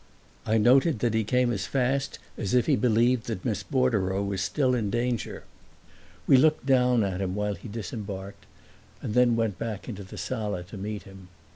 I noted that he came as fast as if he believed that Miss Bordereau was still in danger. We looked down at him while he disembarked and then went back into the sala to meet him.